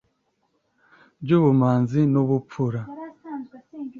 by'ubumanzi n'ubupfura